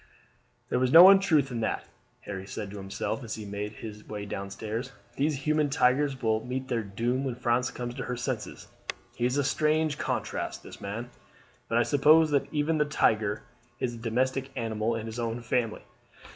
"There was no untruth in that," Harry said to himself as he made his way down stairs. "These human tigers will meet their doom when France comes to her senses. He is a strange contrast, this man; but I suppose that even the tiger is a domestic animal in his own family.